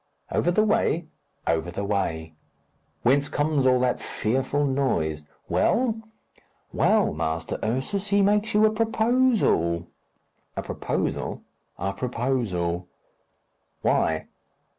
"Over the way?" "Over the way." "Whence comes all that fearful noise. Well?" "Well, Master Ursus, he makes you a proposal." "A proposal?" "A proposal." "Why?"